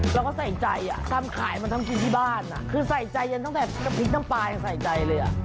แล้วก็ใส่ใจทำขายมาทำกินที่บ้านคือใส่ใจยังตั้งแต่พริกน้ำปลาทั้งใส่ใจเลย